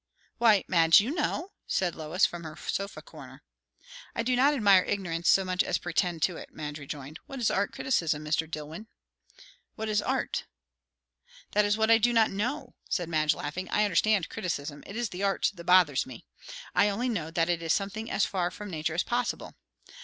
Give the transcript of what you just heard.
"Why, Madge, you know!" said Lois from her sofa corner. "I do not admire ignorance so much as to pretend to it," Madge rejoined. "What is art criticism, Mr. Dillwyn?" "What is art?" "That is what I do not know!" said Madge, laughing. "I understand criticism. It is the art that bothers me. I only know that it is something as far from nature as possible."